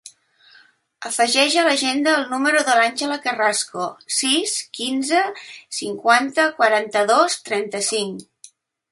Afegeix a l'agenda el número de l'Àngela Carrasco: sis, quinze, cinquanta, quaranta-dos, trenta-cinc.